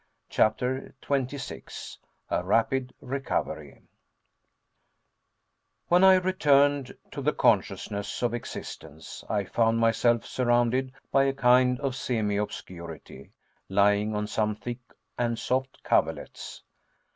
CHAPTER 26 A RAPID RECOVERY When I returned to the consciousness of existence, I found myself surrounded by a kind of semiobscurity, lying on some thick and soft coverlets.